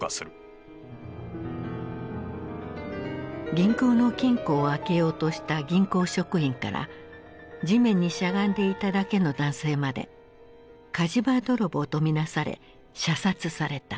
銀行の金庫を開けようとした銀行職員から地面にしゃがんでいただけの男性まで火事場泥棒と見なされ射殺された。